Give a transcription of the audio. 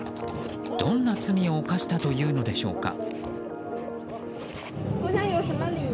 どんな罪を犯したというのでしょうか。